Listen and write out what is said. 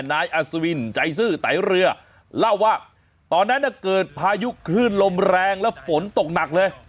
นายอัศวินใจซื่อไตเรือเล่าว่าตอนนั้นเกิดพายุคลื่นลมแรงและฝนตกหนักเลย